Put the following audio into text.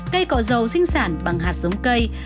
cây cọ dầu sinh sản bằng hạt giống cây